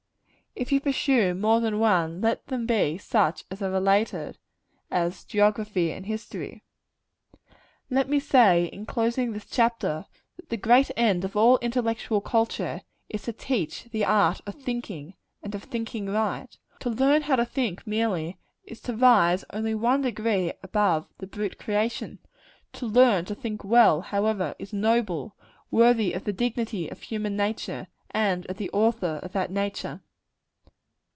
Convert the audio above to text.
If you pursue more than one, let them be such as are related; as geography and history. Let me say, in closing this chapter, that the great end of all intellectual culture, is to teach the art of thinking, and of thinking right. To learn to think, merely, is to rise only one degree above the brute creation. To learn to think well, however, is noble; worthy of the dignity of human nature, and of the Author of that nature.